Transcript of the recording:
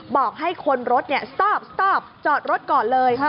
บอกให้คนรถสอบจอดรถก่อนเลย